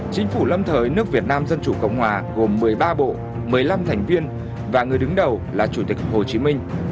chính phủ lâm thời nước việt nam dân chủ cộng hòa gồm một mươi ba bộ một mươi năm thành viên và người đứng đầu là chủ tịch hồ chí minh